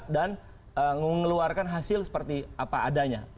dan mengeluarkan hasil seperti apa adanya